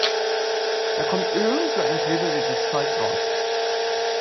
Da kommt irgend so ein glibberiges Zeug raus.